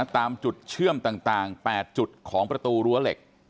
ตามจุดเชื่อมต่าง๘จุดของประตูรั้วเหล็ก